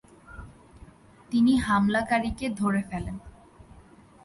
তিনি হামলাকারীকে ধরে ফেলেন।